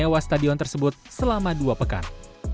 dan mencari penyelenggaraan tersebut selama dua pekan